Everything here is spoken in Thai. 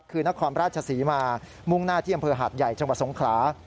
คือนครรภ์ราชสีมามุงหน้าเที่ยงพหาดใหญ่จสงครา